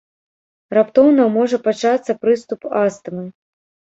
Раптоўна можа пачацца прыступ астмы.